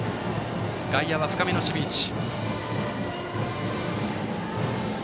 外野は深めの守備位置。